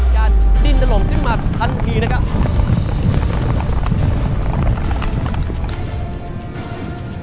การดิ้นถล่มขึ้นมาทันทีนะครับ